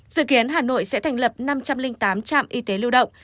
dự kiến hà nội sẽ thành lập năm trăm linh tám trạm y tế lưu động